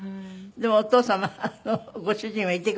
でもお父様ご主人はいてくださったの？